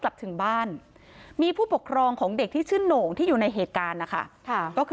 กลับถึงบ้านมีผู้ปกครองของเด็กที่ชื่อโหน่งที่อยู่ในเหตุการณ์นะคะก็คือ